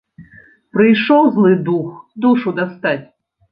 Прыйшоў злы дух душу дастаць.